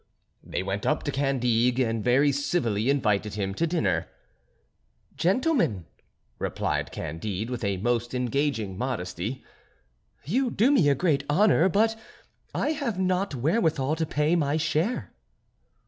They went up to Candide and very civilly invited him to dinner. "Gentlemen," replied Candide, with a most engaging modesty, "you do me great honour, but I have not wherewithal to pay my share."